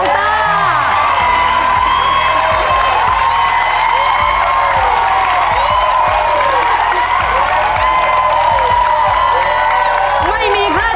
ถูก